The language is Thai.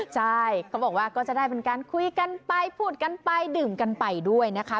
ใช่เขาบอกว่าก็จะได้เป็นการคุยกันไปพูดกันไปดื่มกันไปด้วยนะคะ